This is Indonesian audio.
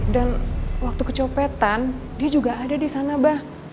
dan waktu kecopetan dia juga ada di sana bah